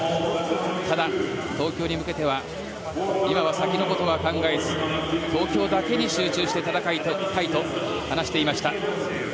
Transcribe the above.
ただ、東京に向けては今は先のことは考えず東京だけに集中して戦いたいと話していました。